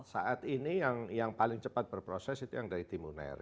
saat ini yang paling cepat berproses itu yang dari timuner